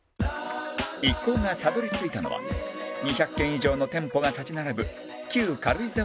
一行がたどり着いたのは２００軒以上の店舗が立ち並ぶ